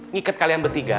ngikat kalian bertiga